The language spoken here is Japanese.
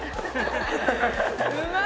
うまい！